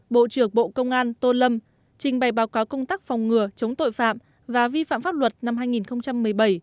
bộ trưởng bộ công an tô lâm trình bày báo cáo công tác phòng ngừa chống tội phạm và vi phạm pháp luật năm hai nghìn một mươi bảy